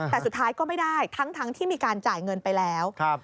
แต่สุดท้ายก็ไม่ได้ทั้งที่มีการจ่ายเงินไปแล้ว